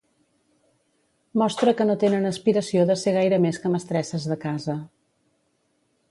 Mostra que no tenen aspiració de ser gaire més que mestresses de casa.